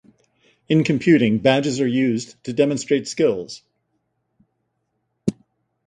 In computing, badges are used to demonstrate skills.